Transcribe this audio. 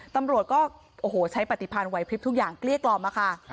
ตำรวจก็โอ้โหใช้ปฏิพันธ์ไหวพลิบทุกอย่างเกลี้ยกล่อมค่ะ